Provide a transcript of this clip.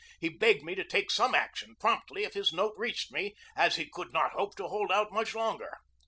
He begged me to take some action promptly if his note reached me, as he could not hope to hold out much longer.